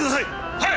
はい！